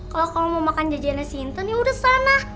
kalau kamu mau makan jajananya si intan ya udah sana